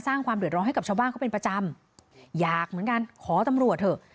ความเดือดร้อนให้กับชาวบ้านเขาเป็นประจำอยากเหมือนกันขอตำรวจเถอะ